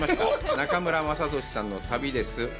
中村雅俊さんの旅です。